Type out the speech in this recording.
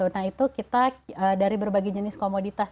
nah itu kita dari berbagai jenis komoditas